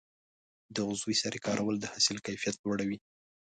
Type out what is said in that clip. د عضوي سرې کارول د حاصل کیفیت لوړوي.